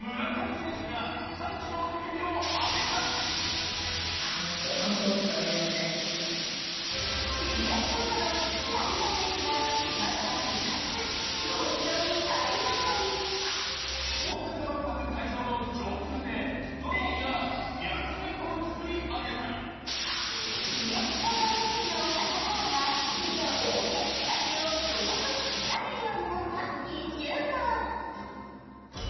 村上選手が歓喜の雄たけびを上げたりフィギュアスケートの紀平梨花選手がけがから復活、氷上に返り咲いたり大阪万博会場の上空でドローンがミャクミャクを作り上げたり上野動物園のパンダが２頭そろって竹を上手に食べられるようになった１週間。